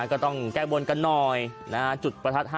ก็ต้องแก้บนกันหน่อยนะถึงจุดประทัด๕๐๐๐นะ